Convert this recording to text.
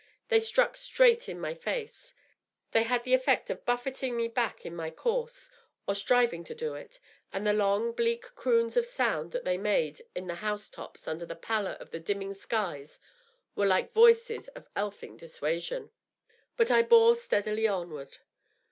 They struck straight in my face ; they had the effect of buffeting me back in my course, or striving to do it, and the long, bleak croons of sound that they made in the house tops under the pallor of the dimming skies were like voices of elfin dissuasion. But I bore steadily onward.